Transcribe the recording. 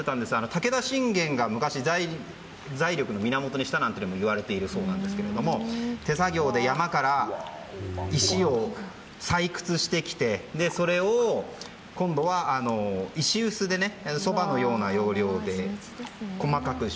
武田信玄が昔、財力の源にしたなんていうのもいわれているそうですが手作業で山から石を採掘してきてそれを、今度は石臼でそばのような要領で細かくし